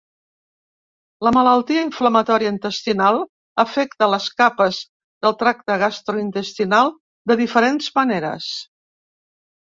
La malaltia inflamatòria intestinal afecta les capes del tracte gastrointestinal de diferents maneres.